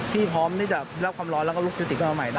ที่พร้อมที่จะเลือกความร้อนและก็ลูกจุดติดให้หัวใหม่ได้